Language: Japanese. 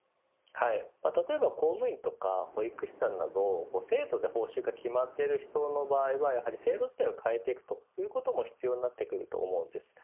例えば公務員とか保育士さんなど制度で報酬が決まっている人の場合は制度自体を変えていくということも必要になってくると思います。